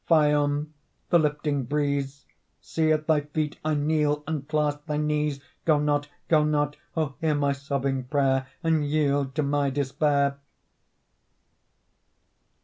Phaon, the lifting breeze! See, at thy feet I kneel and clasp thy knees! Go not, go not! O hear my sobbing prayer, And yield to my despair!